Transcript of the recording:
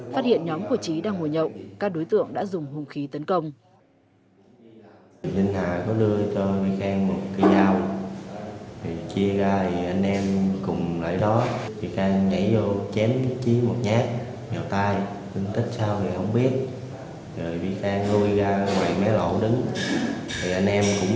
phát hiện nhóm của chí đang ngồi nhậu các đối tượng đã dùng hồng khí tấn công